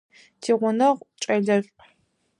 Тигъунэгъу кӏэлэшӏу.